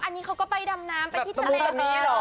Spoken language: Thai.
อันนี้เขาก็ไปดำน้ำที่ทะเล